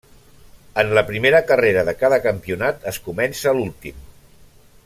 En la primera carrera de cada campionat es comença l'últim.